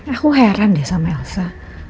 aku heran deh sama elsa